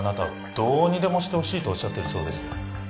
どうにでもしてほしいとおっしゃってるそうです